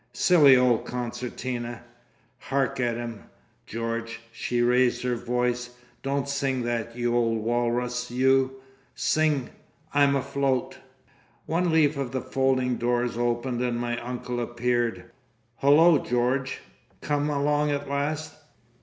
"Silly old Concertina! Hark at him, George!" She raised her voice. "Don't sing that, you old Walrus, you! Sing 'I'm afloat!'" One leaf of the folding doors opened and my uncle appeared. "Hullo, George! Come along at last?